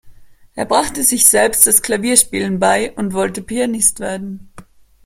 Er brachte sich selbst das Klavierspielen bei und wollte Pianist werden.